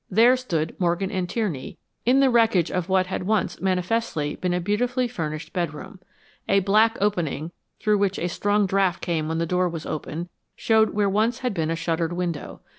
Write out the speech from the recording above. There stood Morgan and Tierney in the wreckage of what had once manifestly been a beautifully furnished bedroom. A black opening, through which a strong draft came when the door was opened, showed where once had been a shuttered window.